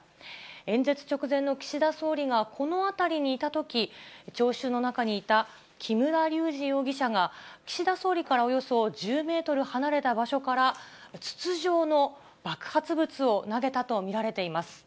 演説直前の岸田総理がこの辺りにいたとき、聴衆の中にいた木村隆二容疑者が、岸田総理からおよそ１０メートル離れた場所から、筒状の爆発物を投げたと見られています。